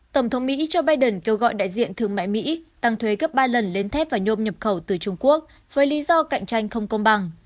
tổng thống mỹ joe biden kêu gọi đại diện thương mại mỹ tăng thuế gấp ba lần lên thép và nhôm nhập khẩu từ trung quốc với lý do cạnh tranh không công bằng